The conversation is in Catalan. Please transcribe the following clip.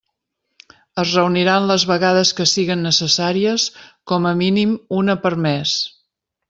Es reuniran les vegades que siguen necessàries, com a mínim una per mes.